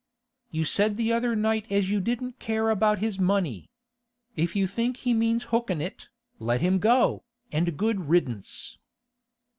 'You said the other night as you didn't care about his money. If you think he means hookin' it, let him go, and good riddance.